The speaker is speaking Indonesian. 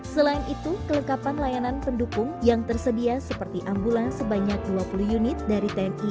selain itu kelengkapan layanan pendukung yang tersedia seperti ambulans sebanyak dua puluh unit dari tni angkatan darat tni angkatan udara